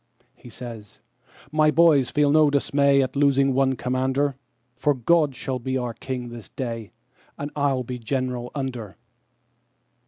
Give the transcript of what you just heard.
He says, "My boys feel no dismay at the losing of one commander, For God shall be our King this day, and I'll be general under."